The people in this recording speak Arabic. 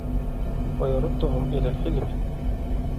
وَيَرُدُّهُمْ إلَى الْحِلْمِ